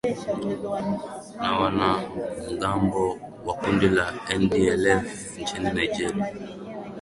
na wanamgambo wa kundi la ndlf nchini nigeria